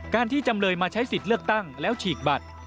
ที่จำเลยมาใช้สิทธิ์เลือกตั้งแล้วฉีกบัตร